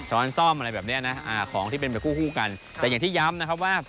ซ่อมอะไรแบบเนี้ยนะอ่าของที่เป็นไปคู่คู่กันแต่อย่างที่ย้ำนะครับว่า